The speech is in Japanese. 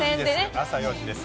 朝４時です。